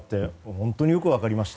本当によく分かりました。